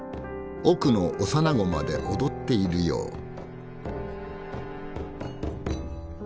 奥の幼子まで踊っているよう。